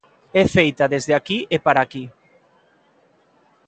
E feita desde aquí e para aquí.